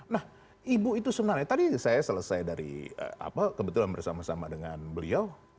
nah ibu itu sebenarnya tadi saya selesai dari apa kebetulan bersama sama dengan beliau